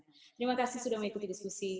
terima kasih sudah mengikuti diskusi